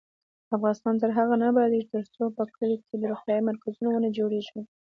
افغانستان تر هغو نه ابادیږي، ترڅو په کلیو کې د روغتیا مرکزونه ونه جوړیږي.